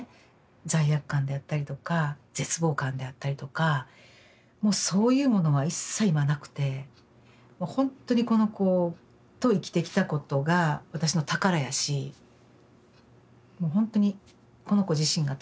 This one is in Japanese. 罪悪感であったりとか絶望感であったりとかもうそういうものは一切今なくてもうほんとにこの子と生きてきたことが私の宝やしもうほんとにこの子自身が宝なんですよね